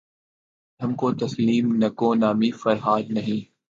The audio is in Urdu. ہم کو تسلیم نکو نامیِ فرہاد نہیں